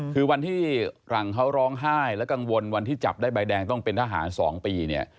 คือวันที่หลังเขาร้องไห้และกังวลวันที่จับได้ใบแดงต้องเป็นทหาร๒ปีเนี่ย